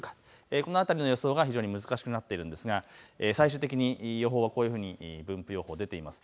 この辺りの予想が非常に難しくなってきているんですが最終的にこのように予報が出ています。